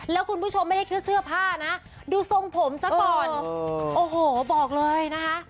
แล้วคุณผู้ชมไม่ได้แค่เสื้อผ้านะดูทรงผมซะก่อนโอ้โหบอกเลยนะคะ